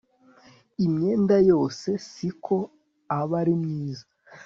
Imyenda yose siko aba ari myiza